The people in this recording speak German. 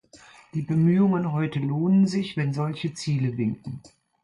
Die Bemühungen heute lohnen sich, wenn solche Ziele winken.